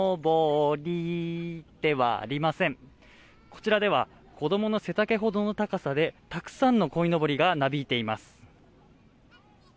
こちらでは子供の背丈ほどの高さでたくさんのこいのぼりがなびいています。